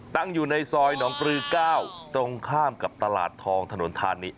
ตั้งอยู่ในซอยหนองปลือ๙ตรงข้ามกับตลาดทองถนนธานิ